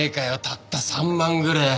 たった３万ぐれえ。